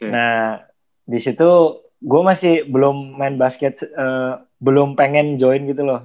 nah disitu gue masih belum main basket belum pengen join gitu loh